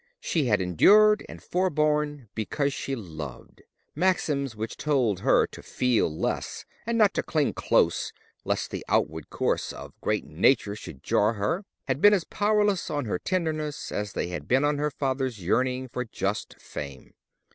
She had endured and forborne because she loved: maxims which told her to feel less, and not to cling close lest the onward course of great Nature should jar her, had been as powerless on her tenderness as they had been on her father's yearning for just fame.